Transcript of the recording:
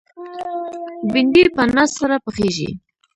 بېنډۍ په ناز سره پخېږي